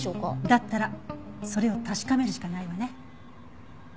だったらそれを確かめるしかないわね。